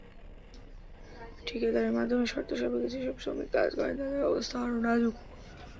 ঠিকাদারের মাধ্যমে শর্ত সাপেক্ষে যেসব শ্রমিক কাজ করেন, তাঁদের অবস্থা আরও নাজুক।